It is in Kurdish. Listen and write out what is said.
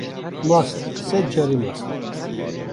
Mast sed carî mast.